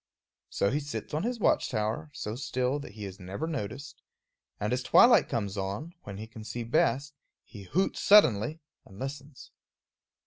So he sits on his watch tower, so still that he is never noticed, and as twilight comes on, when he can see best, he hoots suddenly and listens.